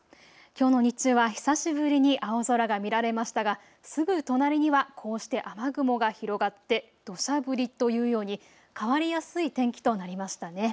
きょうの日中は久しぶりに青空が見られましたが、すぐ隣にはこうして雨雲が広がって、どしゃ降りというように変わりやすい天気となりましたね。